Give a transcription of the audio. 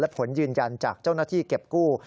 ผลยืนยันจากเจ้าหน้าที่เก็บกู้